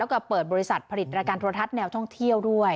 แล้วก็เปิดบริษัทผลิตรายการโทรทัศน์แนวท่องเที่ยวด้วย